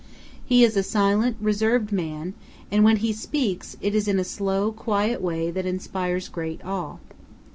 He is a silent, reserved man, and when he speaks it is in a slow, quiet way that inspires great awe.